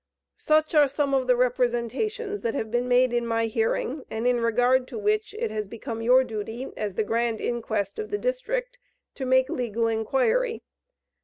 Such are some of the representations that have been made in my hearing, and in regard to which, it has become your duty, as the Grand Inquest of the District, to make legal inquiry.